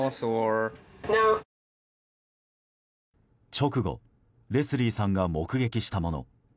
直後、レスリーさんが目撃したもの。